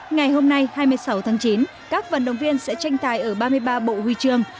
ngày hôm nay hai mươi sáu tháng chín các vận động viên sẽ tranh tài ở ba mươi ba bộ huy trường